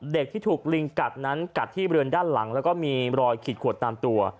เด็กที่ถูกลิงกัดนั้นกัดที่บริเวณด้านหลังแล้วก็มีรอยขีดขวดตามตัว